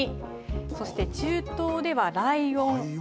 そして、中東ではライオン。